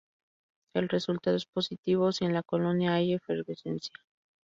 El resultado es positivo si en la colonia hay efervescencia.